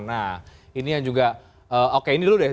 nah ini yang juga oke ini dulu deh